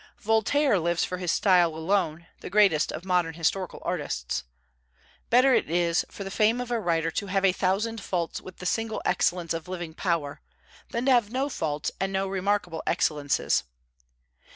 Voltaire lives for his style alone, the greatest of modern historical artists. Better it is for the fame of a writer to have a thousand faults with the single excellence of living power, than to have no faults and no remarkable excellences.